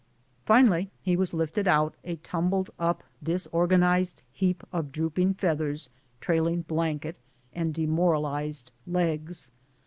Finally he was lifted out, a tumbled up, disorganized heap of drooping feathers, trailing blanket, and demor alized legs.